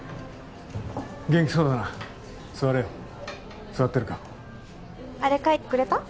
元気そうだな座れよ座ってるかあれ書いてくれた？